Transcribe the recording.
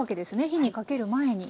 火にかける前に。